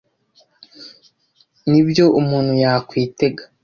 Nibyo umuntu yakwitega.